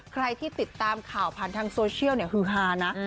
ใครที่ติดตามข่าวผ่านทางโซเชียลเนี่ยฮือฮานะ